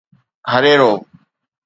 هريرو